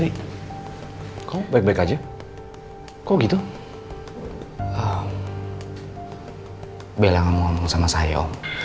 aku akan berjaya